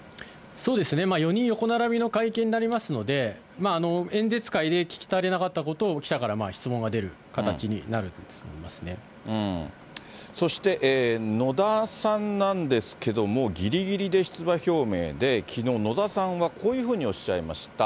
４人横並びの会見になりますので、演説会で聞き足りなかったことを記者から質問が出る形になると思そして、野田さんなんですけれども、ぎりぎりで出馬表明で、きのう、野田さんはこういうふうにおっしゃいました。